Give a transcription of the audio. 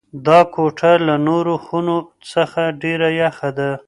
دا کوټه له نورو خونو څخه ډېره یخه ده.